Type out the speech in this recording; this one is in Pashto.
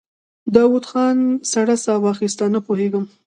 داوود خان سړه سا وايسته: نه پوهېږم.